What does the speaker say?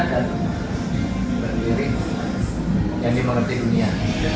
dan berdiri yang dimengerti dunia